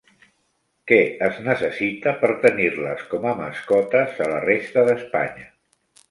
Què es necessita per tenir-les com a mascotes a la resta d'Espanya?